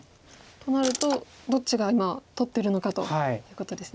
となるとどっちが今取ってるのかということですね。